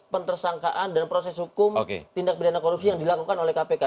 pentersangkaan dan proses hukum tindak pidana korupsi yang dilakukan oleh kpk